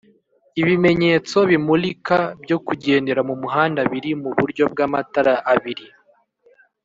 Ibimenyetso bimulika byo kugendera mu muhanda biri mu buryo bw'amatara abiri